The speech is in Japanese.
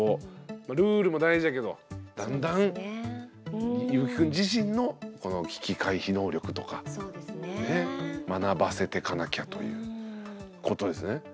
ルールも大事だけどだんだんいぶきくん自身の危機回避能力とか学ばせてかなきゃということですね。